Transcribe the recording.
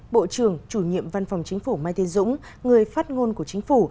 bộ trưởng chủ nhiệm văn phòng chính phủ mai thiên dũng người phát ngôn của chính phủ